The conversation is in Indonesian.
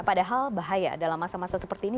padahal bahaya dalam masa masa seperti ini